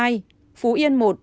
phú yên một